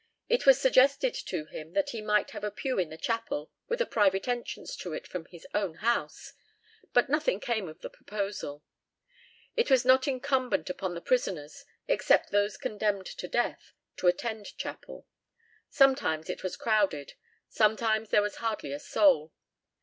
It was suggested to him that he might have a pew in the chapel with a private entrance to it from his own house, but nothing came of the proposal. It was not incumbent upon the prisoners, except those condemned to death, to attend chapel. Sometimes it was crowded, sometimes there was hardly a soul.